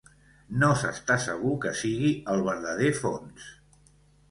No s'està segur que sigui el verdader fons.